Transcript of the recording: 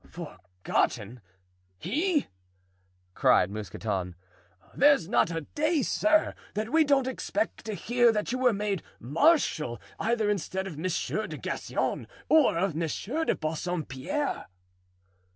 "Forgotten—he!" cried Mousqueton; "there's not a day, sir, that we don't expect to hear that you were made marshal either instead of Monsieur de Gassion, or of Monsieur de Bassompierre."